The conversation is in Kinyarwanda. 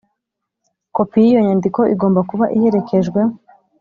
Kopi y iyo nyandiko igomba kuba iherekejwe